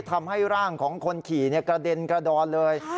ทำให้ร่างของคนขี่กระเด็นกระดอนเลย